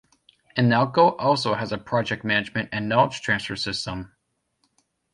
Inalco also has a project management and knowledge transfer service.